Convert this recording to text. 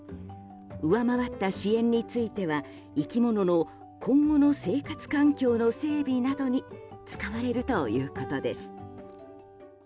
上回った支援については生き物の今後の生活環境の整備などに使われるということです。